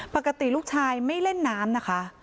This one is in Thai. ปกติลูกชายไม่เล่นน้ำนะคะ